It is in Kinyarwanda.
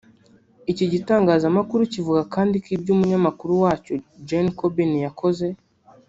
Iki gitangazamakuru kivuga kandi ko ibyo Umunyamakuru wacyo Jane Corbin yakoze